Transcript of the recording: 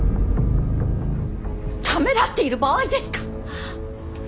ためらっている場合ですか！